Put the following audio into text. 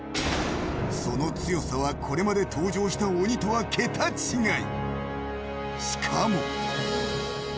その強さはこれまで登場した鬼とは桁違い。